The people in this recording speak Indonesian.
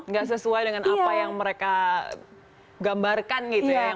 nggak sesuai dengan apa yang mereka gambarkan gitu ya yang mereka mau